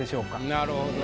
なるほどね。